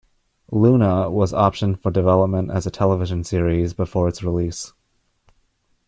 "Luna" was optioned for development as a television series before its release.